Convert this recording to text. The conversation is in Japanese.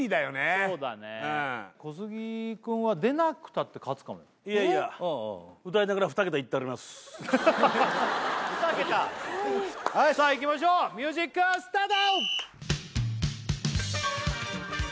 そうだね小杉くんは出なくたって勝つかもよいやいや歌いながら二桁いったります・二桁？さあいきましょうミュージックスタート！